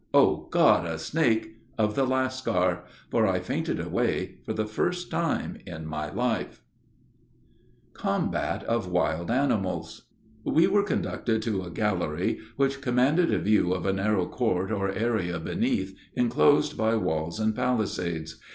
Oh God! a snake! of the lascar; for I fainted away for the first time in my life. COMBAT OF WILD ANIMALS. We were conducted to a gallery which commanded a view of a narrow court or area beneath, inclosed by walls and palisades.